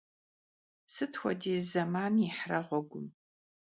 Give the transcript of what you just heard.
Sıt xuediz zeman yihra ğuegum?